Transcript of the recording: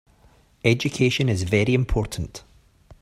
Education is very important.